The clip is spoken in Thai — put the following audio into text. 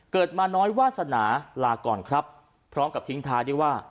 เกิดมาน้อยวาสนาลาก่อนครับพร้อมกับทิ้งท้ายได้ว่า